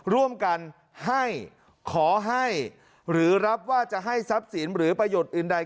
ร่วมกันให้ขอให้หรือรับว่าจะให้ทรัพย์สินหรือประโยชน์อื่นใด